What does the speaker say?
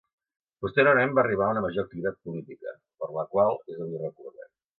Posteriorment va arribar a una major activitat política, per la qual és avui recordat.